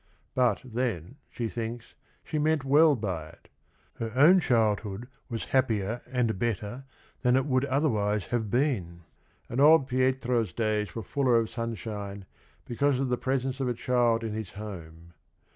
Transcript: But then, she thinks, she meant well by it. Her own childhood was hap pier and better than it would otherwise have been and Old Pietro's days were fuller of sun shine because of the presence of a child in his home.